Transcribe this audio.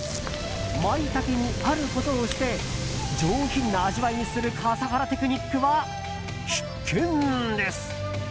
マイタケにあることをして上品な味わいにする笠原テクニックは必見です。